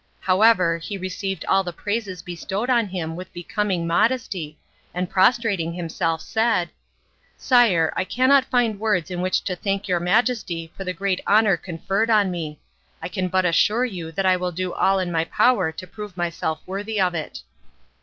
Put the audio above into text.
However he received all the praises bestowed on him with becoming modesty, and prostrating himself, said: "Sire, I cannot find words in which to thank your Majesty for the great honour conferred on me. I can but assure you that I will do all in my power to prove myself worthy of it."